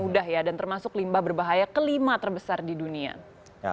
mudah ya dan termasuk limbah berbahaya kelima terbesar di dunia